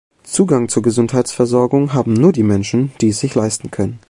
Zugang zur Gesundheitsversorgung haben nur die Menschen, die es sich leisten können.